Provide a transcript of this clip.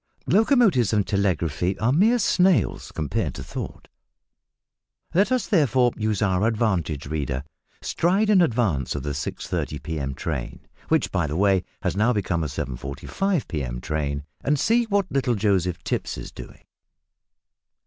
Locomotives and telegraphy are mere snails compared to thought. Let us therefore use our advantage, reader, stride in advance of the 6:30 p.m. train (which by the way has now become a 7:45 p.m. train), and see what little Joseph Tipps is doing.